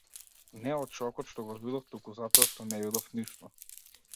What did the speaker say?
Не од шокот што го видов, туку затоа што не видов ништо.